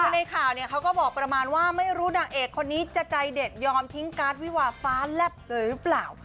คือในข่าวเนี่ยเขาก็บอกประมาณว่าไม่รู้นางเอกคนนี้จะใจเด็ดยอมทิ้งการ์ดวิวาฟ้าแลบเลยหรือเปล่า